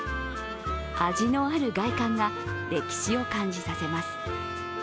味のある外観が歴史を感じさせます。